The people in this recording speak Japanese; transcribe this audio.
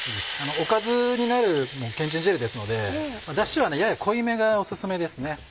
おかずになるけんちん汁ですのでだしはやや濃いめがオススメですね。